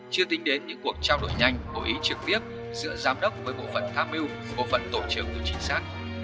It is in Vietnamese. chưa tính đến những cuộc trao đổi nhanh hội ý trực tiếp giữa giám đốc với bộ phận tháp mưu bộ phận tổ chức của trinh sát